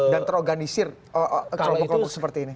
dan terorganisir kelompok kelompok seperti ini